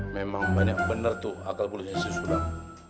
memang banyak bener tuh akal bulunya si sulam